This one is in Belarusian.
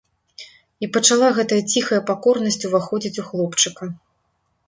І пачала гэтая ціхая пакорнасць уваходзіць у хлопчыка.